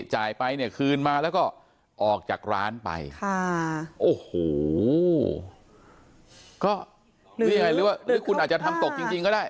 หรือยังไงใช่